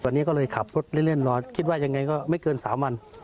ตอนนี้ก็เลยขับรถเล่นมาคิดว่ายังไงก็ไม่เกิน๓วัน